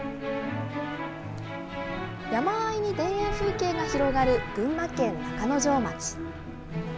山あいに田園風景が広がる群馬県中之条町。